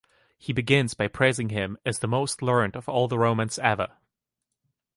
He begins by praising him "as the most learned" of all the Romans ever.